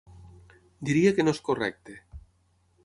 Diria que no és correcte.